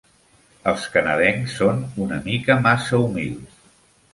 Els canadencs són una mica massa humils.